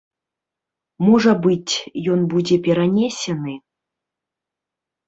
Можа быць, ён будзе перанесены.